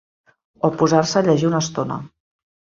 O posar-se a llegir una estona.